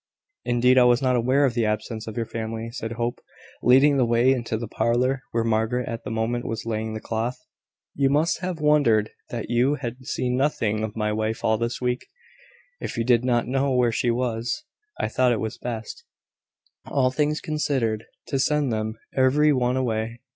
"Indeed I was not aware of the absence of your family," said Hope, leading the way into the parlour, where Margaret at the moment was laying the cloth. "You must have wondered that you had seen nothing of my wife all this week, if you did not know where she was. I thought it best, all things considered, to send them every one away.